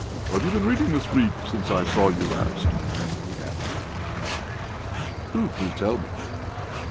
"What have you been reading this week since I saw you last?" he asked now. "Do please tell me."